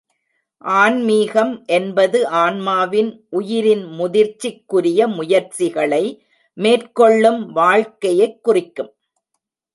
ஆன்மீகம் என்பது ஆன்மாவின் உயிரின் முதிர்ச்சிக்குரிய முயற்சிகளை மேற்கொள்ளும் வாழ்க்கையைக் குறிக்கும்.